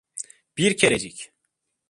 Bir kerecik.